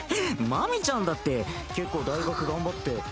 マミちゃんだって結構大学頑張って。